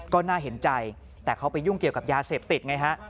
ก็น่าเห็นใจแต่เขาไปยุ่งเกี่ยวกับยาเสพติดไงฮะ